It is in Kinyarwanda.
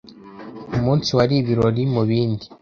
umunsi wari ibirori mu bindi.